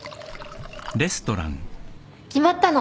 決まったの。